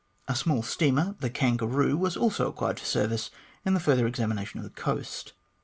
A small steamer, the Kangaroo, was also acquired for service in the further examination of the coast.